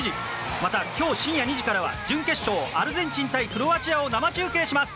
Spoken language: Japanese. また、今日深夜２時からは準決勝アルゼンチン対クロアチアを生中継します。